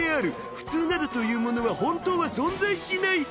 普通などというものは本当は存在しない。